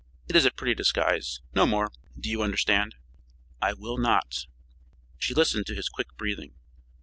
It is a pretty disguise no more. Do you understand?" "I will not." She listened to his quick breathing.